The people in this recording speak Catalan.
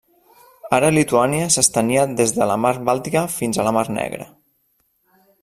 Ara Lituània s'estenia des de la Mar Bàltica fins a la Mar Negra.